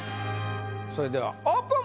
それではオープン！